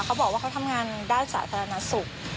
เขาบอกว่าเขาทำงานด้านสาธารณสุข